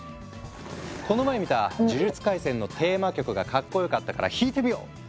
この前見た「呪術廻戦」のテーマ曲がかっこよかったから弾いてみよう！